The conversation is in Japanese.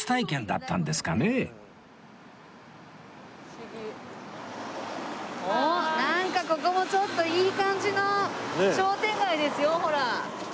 なんかここもちょっといい感じの商店街ですよほら。